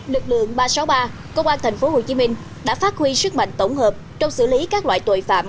lực lượng ba trăm sáu mươi ba công an tp hcm đã phát huy sức mạnh tổng hợp trong xử lý các loại tội phạm